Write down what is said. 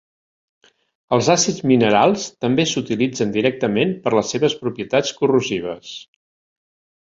Els àcids minerals també s"utilitzen directament per les seves propietats corrosives.